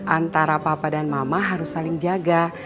antara papa dan mama harus saling jaga